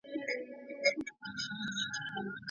کرني پوهنځۍ بې پوښتني نه منل کیږي.